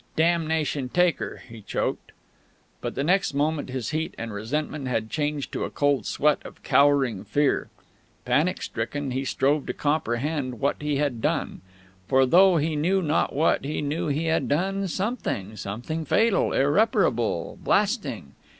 "Damnation take her!" he choked.... But the next moment his heat and resentment had changed to a cold sweat of cowering fear. Panic stricken, he strove to comprehend what he had done. For though he knew not what, he knew he had done something, something fatal, irreparable, blasting.